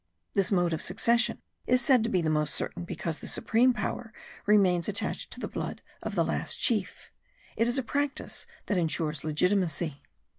This mode of succession is said to be the most certain because the supreme power remains attached to the blood of the last chief; it is a practice that insures legitimacy.